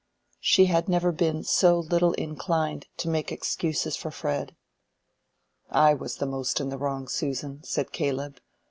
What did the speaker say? She had never been so little inclined to make excuses for Fred. "I was the most in the wrong, Susan," said Caleb.